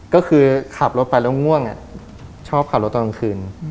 ก็คือขับรถไปแล้วง่วงชอบขับรถตอนกลางคืน